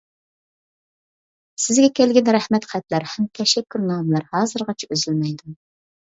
سىزگە كەلگەن رەھمەت خەتلەر ھەم تەشەككۈرنامىلەر ھازىرغىچە ئۈزۈلمەيدۇ.